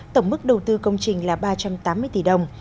tổng mức đầu tư công trình là ba trăm tám mươi tỷ đồng